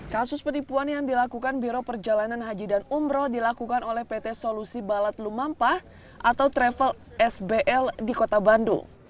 kasus penipuan yang dilakukan biro perjalanan haji dan umroh dilakukan oleh pt solusi balat lumampah atau travel sbl di kota bandung